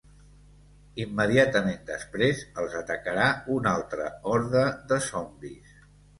Immediatament després, els atacarà una altra horda de zombis.